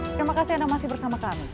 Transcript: terima kasih anda masih bersama kami